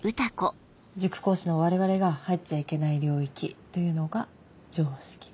塾講師の我々が入っちゃいけない領域というのが常識。